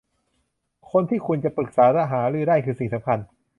คนที่คุณจะปรึกษาหารือได้คือสิ่งสำคัญ